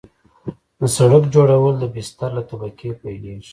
د سرک جوړول د بستر له طبقې پیلیږي